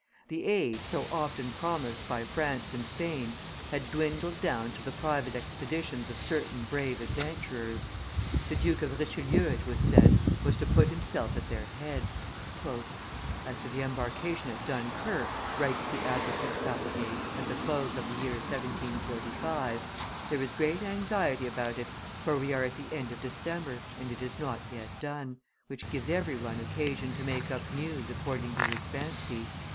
The aid, so often promised by France and Spain, had dwindled down to the private expeditions of certain brave adventurers. The Duke of Richelieu, it was said, was to put himself at their head. "As to the embarkation at Dunkerque," writes the advocate Barbier, at the close of the year 1745, "there is great anxiety about it, for we are at the end of December, and it is not yet done, which gives every one occasion to make up news according to his fancy.